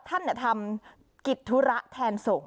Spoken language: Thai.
ท่านทำกิจธุระแทนการส่ง